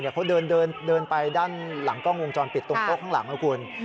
เขาเดินไปด้านหลังกล้องวงจรปิดตรงโต๊ะข้างหลังนะคุณ